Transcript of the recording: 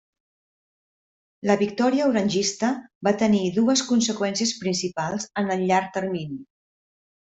La victòria orangista va tenir dues conseqüències principals en el llarg termini.